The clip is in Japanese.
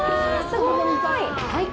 すごい！